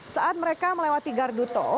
saat mereka melewati gardu tol